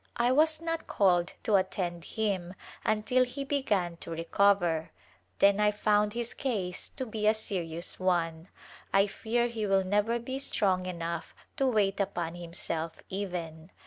I was not called to attend him until he began to re cover, then I found his case to be a serious one. I fear he will never be strong enough to wait upon him self, even.